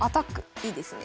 いいですね。